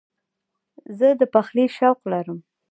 زه د پخلي شوق لرم.